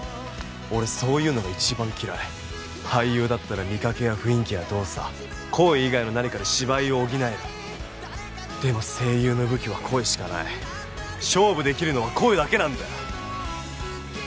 俺そういうのが一番嫌い俳優だったら見かけや雰囲気や動作声以外の何かで芝居を補えるでも声優の武器は声しかない勝負できるのは声だけなんだよ